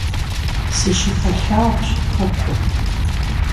Си щыпэ лъагъущ хэкур.